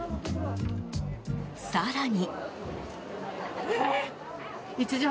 更に。